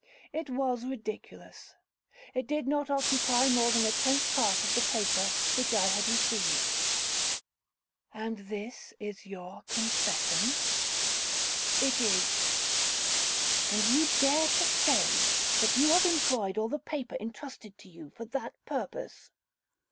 It was ridiculous. It did not occupy more than a tenth part of the paper which I had received. 'And this is your confession?' 'It is.' 'And you dare to say that you have employed all the paper entrusted to you for that purpose.'